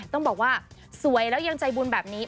ต้องบอกว่าสวยแล้วยังใจบุญแบบนี้